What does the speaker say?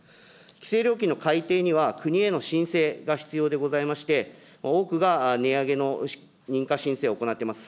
規制料金の改定には、国への申請が必要でございまして、多くが値上げの認可申請を行ってます。